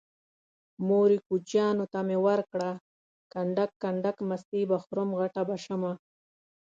مورې کوچيانو ته مې ورکړه کنډک کنډک مستې به خورم غټه به شمه